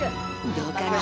どうかな？